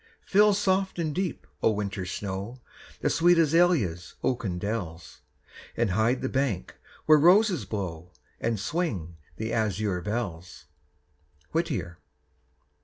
Fill soft and deep, O winter snow! The sweet azalea's oaken dells, And hide the bank where roses blow, And swing the azure bells! _Whittier.